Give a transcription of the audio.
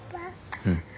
うん。